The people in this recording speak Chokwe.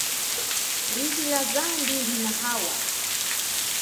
Liji lia zambi linawaha.